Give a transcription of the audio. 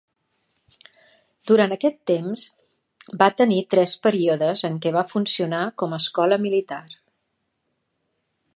Durant aquest temps, va tenir tres períodes en què va funcionar com a escola militar.